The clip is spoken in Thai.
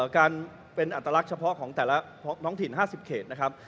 การเป็นอัตลักษณ์เฉพาะของแต่ละท้องถิ่น๕๐เขตนะครับ